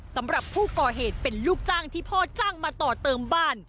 สำหรับผู้ก่อเหตุเป็นลูกจ้างที่พ่อจ้างมาต่อเติมบ้าน